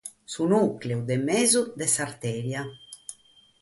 Su nùcleu de mesu de s'artèria.